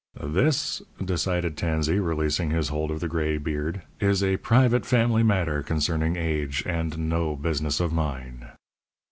"This," decided Tansey, releasing his hold of the gray beard, "is a private family matter concerning age, and no business of mine."